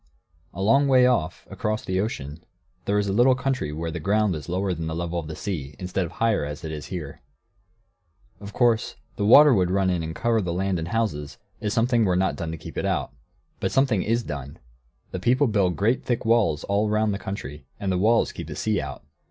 ] A long way off, across the ocean, there is a little country where the ground is lower than the level of the sea, instead of higher, as it is here. Of course the water would run in and cover the land and houses, if something were not done to keep it out. But something is done. The people build great, thick walls all round the country, and the walls keep the sea out.